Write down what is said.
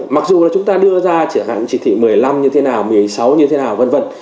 mặc dù là chúng ta đưa ra chẳng hạn chỉ thị một mươi năm như thế nào một mươi sáu như thế nào v v